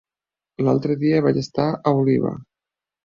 L'altre dia vaig estar a Oliva.